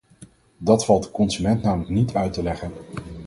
Dat valt de consument namelijk niet uit te leggen.